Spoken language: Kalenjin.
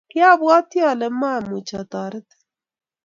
kiabwatii ale mwamuch atoretin.